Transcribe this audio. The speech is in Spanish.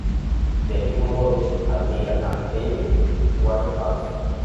Del mismo modo admira a Amy Winehouse.